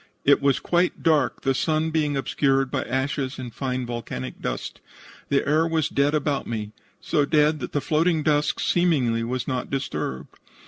It was quite dark, the sun being obscured by ashes and fine volcanic dust. The air was dead about me, so dead that the floating dust seemingly was not disturbed.